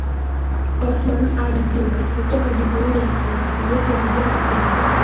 Othman Ali Juma kutoka Jumuiya ya Sauti ya Vijana Pemba